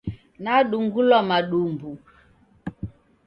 Nadungulwa madumbu